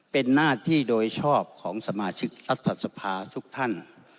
เป็นหน้าที่โดยชอบของสมาชิกรัฐสภาทุกท่าน